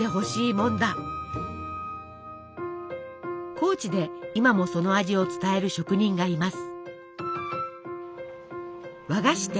高知で今もその味を伝える職人がいます。